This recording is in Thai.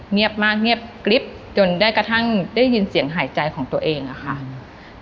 เงียบมากเงียบกริ๊บจนได้กระทั่งได้ยินเสียงหายใจของตัวเองอะค่ะอืม